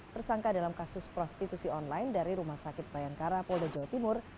tersangka dalam kasus prostitusi online dari rumah sakit bayangkara polda jawa timur